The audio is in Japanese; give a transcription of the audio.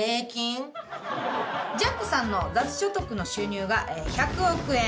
ジャックさんの雑所得の収入が１００億円。